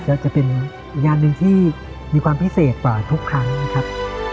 ก็จะเป็นงานหนึ่งที่มีความพิเศษกว่าทุกครั้งนะครับ